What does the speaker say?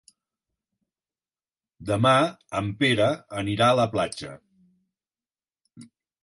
Demà en Pere anirà a la platja.